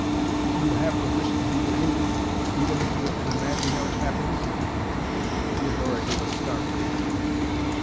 "You have the wish to be deluded even into an imaginary happiness?" Theodora gave a start.